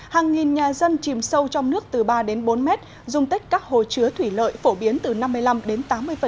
hàng nghìn nhà dân chìm sâu trong nước từ ba đến bốn mét dùng tích các hồ chứa thủy lợi phổ biến từ năm mươi năm đến tám mươi